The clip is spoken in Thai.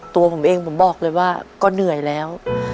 ตัวผมเองผมบอกเลยว่าก็เหนื่อยแล้ว